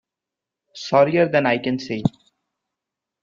Sorrier than I can say.